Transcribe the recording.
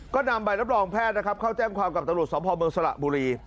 ก็นำใบรับรองแพทย์นะครับเข้าแจ้งความกับตำรวจสมภาพเมืองสระบุรี